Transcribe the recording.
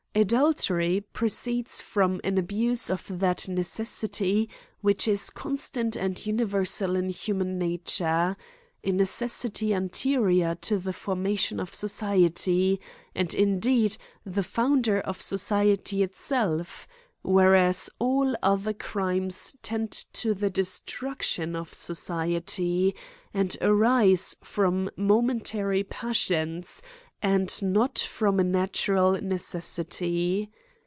Adultery proceeds from an abuse of that necessity which is constant and uni versal in human nature ; a necessity anterior to the formation of society, and indeed the foun der of society itself; whereas all other crimes tend to the destruction of society, and arise from momentary passions, and not from a natural ne cessity.